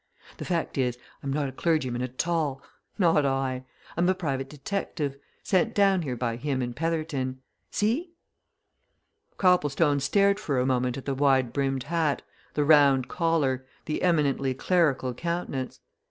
"The fact is, I'm not a clergyman at all not I! I'm a private detective, sent down here by him and Petherton. See?" Copplestone stared for a moment at the wide brimmed hat, the round collar, the eminently clerical countenance.